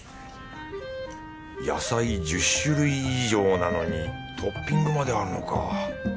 野菜１０種類以上なのにトッピングまであるのか。